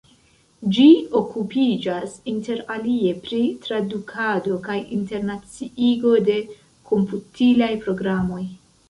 Ĝi okupiĝas interalie pri tradukado kaj internaciigo de komputilaj programoj.